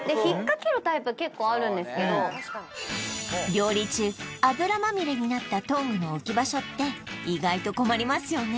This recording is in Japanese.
料理中油まみれになったトングの置き場所って意外と困りますよね